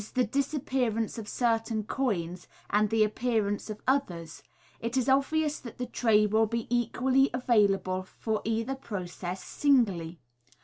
the disappearance of certain coins and the appearance of others — it is obvious that the tray will be equally available for either process singly.